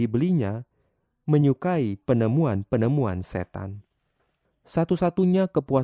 sampai jumpa di video selanjutnya